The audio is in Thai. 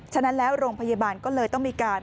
ฉะนั้นแล้วโรงพยาบาลก็เลยต้องมีการ